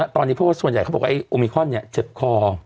ตอนนี้เพราะว่าส่วนใหญ่เขาบอกว่าไอ้โอมิคอนเจ็บคอ